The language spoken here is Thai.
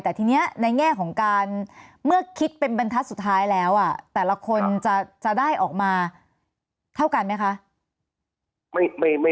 แต่ทีนี้ในแง่ของการเมื่อคิดเป็นบรรทัศน์สุดท้ายแล้วแต่ละคนจะได้ออกมาเท่ากันไหมคะ